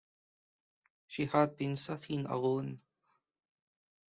She had been sitting alone.